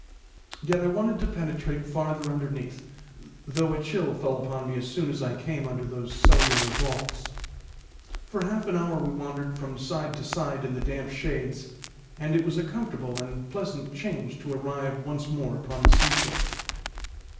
Yet I wanted to penetrate farther underneath, though a chill fell upon me as soon as I came under those cellular vaults. For half an hour we wandered from side to side in the damp shades, and it was a comfortable and pleasant change to arrive once more upon the sea shore.